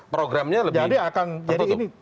programnya lebih tertutup